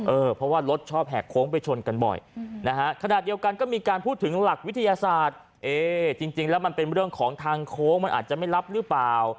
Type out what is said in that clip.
เออเพราะว่ารถชอบแหกโค้งไปชนกันบ่อยนะฮะขณะเดียวกันก็มีการพูดถึงหลักวิทยาศาสตร์เอ๊จริงแล้วมันเป็นเรื่องของทางโค้งมันอาจจะไม่รับหรือเปล่า